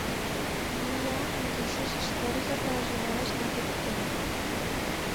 No hi ha notícies històriques relacionades amb aquest temple.